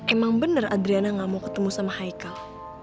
emang bener adriana gak mau ketemu sama haikal